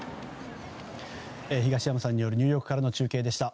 東山さんによるニューヨークからの中継でした。